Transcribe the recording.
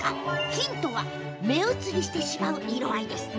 ヒントは目移りしてしまう色合いです。